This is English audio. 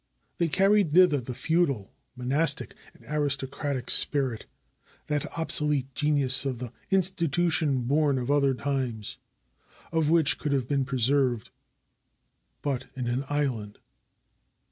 They carried thither the feudal, monastic, and aristocratic spirit, that obsolete genius of an institution born of other times, and which could have been preserved but in an island.